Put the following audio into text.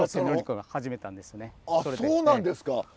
あそうなんですか。